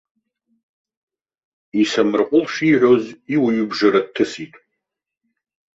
Исамырҟәыл шиҳәоз иуаҩыбжара дҭысит.